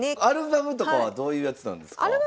アルバムとかはどういうやつなんですか？